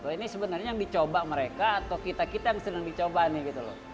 ini sebenarnya yang dicoba mereka atau kita kita yang sedang dicoba nih gitu loh